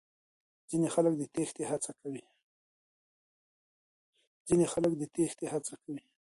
ځينې خلک د تېښتې هڅه کوي.